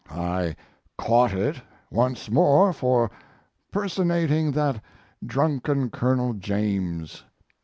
I "caught it" once more for personating that drunken Colonel James.